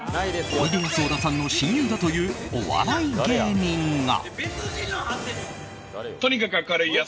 おいでやす小田さんの親友だという、お笑い芸人が。